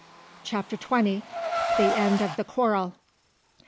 CHAPTER XX. THE END OF THE QUARREL.